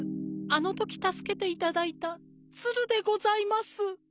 あのときたすけていただいたツルでございます」。